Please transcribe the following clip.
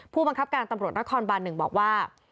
ผู้บังคับการณ์ตนครบบหนึ่งบอกว่า